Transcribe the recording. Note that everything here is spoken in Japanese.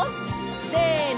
せの！